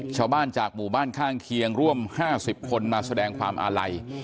ชาวบ้านจากหมู่บ้านข้างเคียงร่วม๕๐คนมาแสดงความอาลัย